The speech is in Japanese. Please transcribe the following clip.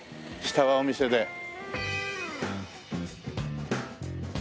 下がお店で。